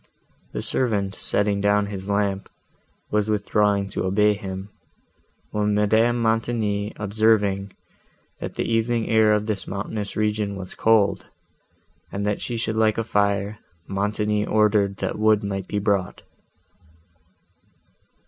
The servant, setting down his lamp, was withdrawing to obey him, when Madame Montoni observing, that the evening air of this mountainous region was cold, and that she should like a fire, Montoni ordered that wood might be brought.